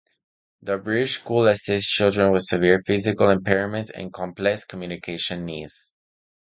The Bridge School assists children with severe physical impairments and complex communication needs.